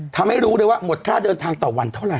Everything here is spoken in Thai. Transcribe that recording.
รู้เลยว่าหมดค่าเดินทางต่อวันเท่าไห